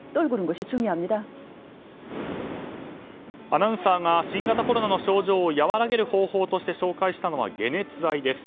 アナウンサーが新型コロナの症状を和らげる方法として紹介したのは解熱剤です。